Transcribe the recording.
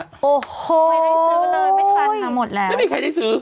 โอ้โหไม่ได้ซื้อเลยไม่ทันค่ะหมดแหละไม่มีใครได้ซื้อ